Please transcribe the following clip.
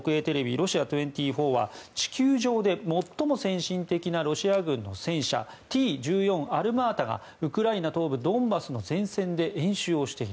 ロシア２４は地球上で最も先進的なロシア軍の戦車Ｔ１４アルマータがウクライナ東部ドンバスの戦線で演習をしている。